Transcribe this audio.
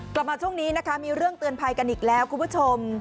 กลับมาช่วงนี้นะคะมีเรื่องเตือนภัยกันอีกแล้วคุณผู้ชม